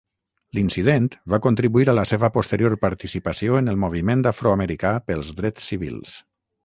L'incident va contribuir a la seva posterior participació en el moviment afroamericà pels drets civils.